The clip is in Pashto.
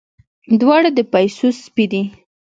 دواړه د پيسو سپي دي.